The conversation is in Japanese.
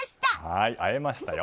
はーい、会えましたよ。